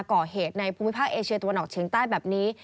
ก่อเหตุในภูมิภาคเอเชียตะวันออกเฉียงใต้แบบนี้